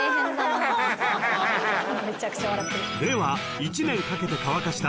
［では１年かけて乾かした